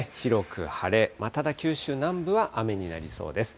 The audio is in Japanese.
広く晴れ、ただ九州南部は雨になりそうです。